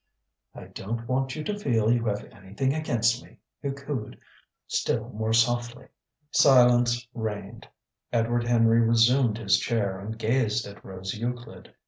"I don't want you to feel you have anything against me," he cooed still more softly. Silence reigned. Edward Henry resumed his chair and gazed at Rose Euclid.